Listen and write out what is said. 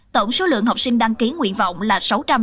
tổng số lượng học sinh đăng ký nguyện vọng là sáu trăm sáu mươi tám